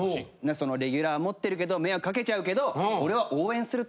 「レギュラー持ってるけど迷惑かけちゃうけど俺は応援する」と。